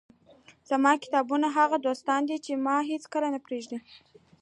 زما کتابونه هغه دوستان دي، چي هيڅکله مانه پرېږي.